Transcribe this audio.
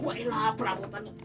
gue ilah perabotannya